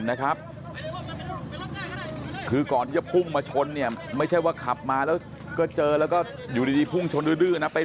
นะครับคือก่อนที่จะพุ่งมาชนเนี่ยไม่ใช่ว่าขับมาแล้วก็เจอแล้วก็อยู่ดีพุ่งชนดื้อนะไป